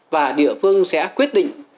và địa phương sẽ quyết định